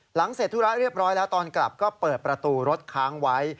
เสร็จธุระเรียบร้อยแล้วตอนกลับก็เปิดประตูรถค้างไว้